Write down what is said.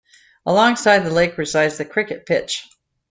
Alongside the lake resides the cricket pitch.